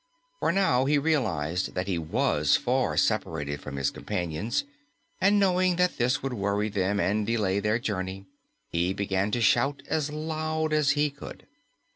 For now he realized that he was far separated from his companions, and knowing that this would worry them and delay their journey, he began to shout as loud as he could.